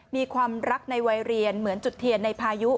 มีความรักในวัยเรียนเหมือนจุดเทียนในพายุ